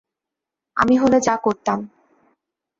আমি হলে যা করতাম।